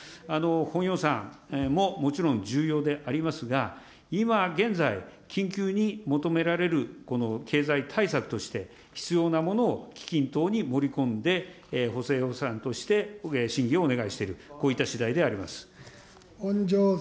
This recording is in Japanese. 本予算ももちろん重要でありますが、今現在、緊急に求められるこの経済対策として、必要なものを基金等に盛り込んで、補正予算として審議をお願いしている、こういったしだいであります。